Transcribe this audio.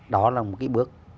đó là một cái bước